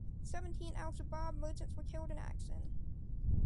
Seventeen Al-Shabaab militants were killed in action.